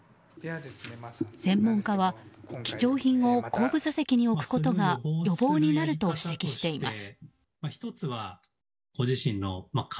専門家は貴重品を後部座席に置くことが予防になると指摘しています。